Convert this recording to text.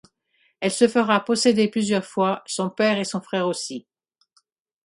Elle se fera posséder plusieurs fois, son père et son frère aussi.